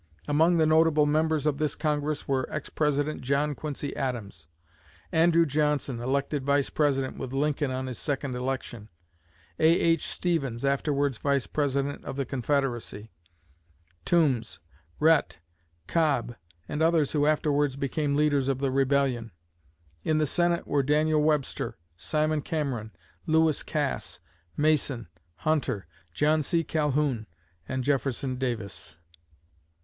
Among the notable members of this Congress were ex president John Quincy Adams; Andrew Johnson, elected Vice President with Lincoln on his second election; A.H. Stephens, afterwards Vice President of the Confederacy; Toombs, Rhett, Cobb, and others who afterwards became leaders of the Rebellion. In the Senate were Daniel Webster, Simon Cameron, Lewis Cass, Mason, Hunter, John C. Calhoun, and Jefferson Davis.